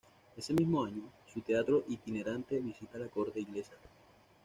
Ese mismo año, su teatro itinerante visita la corte inglesa.